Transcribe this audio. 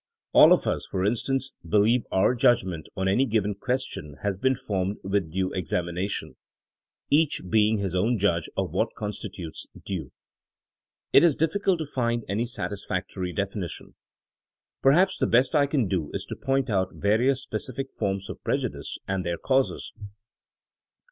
All of us, for in stance, believe our judgment on any given ques tion has been formed with due examination, each being his own judge of what constitutes due.^^ It is difficult to find any satisfactory defini tion. Perhaps the best I can do is to point out various specific forms of prejudice and their causes.